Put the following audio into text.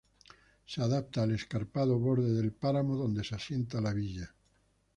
Se adapta al escarpado borde del páramo donde se asienta la villa.